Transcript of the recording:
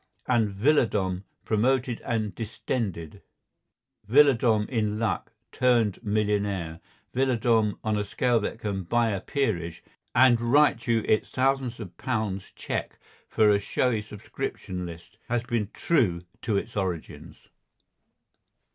And villadom promoted and distended, villadom in luck, turned millionaire, villadom on a scale that can buy a peerage and write you its thousands of pounds cheque for a showy subscription list, has been true to its origins.